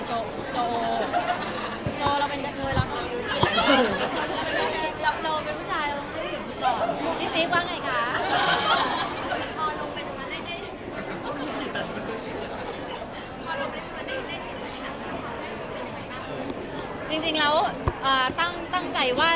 จริงแล้วตั้งใจว่า